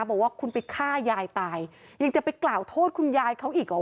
บอกว่าคุณไปฆ่ายายตายยังจะไปกล่าวโทษคุณยายเขาอีกหรอ